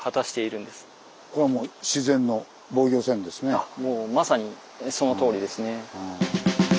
あっもうまさにそのとおりですね。